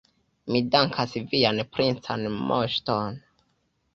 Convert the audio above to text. Mi dankas vian princan moŝton.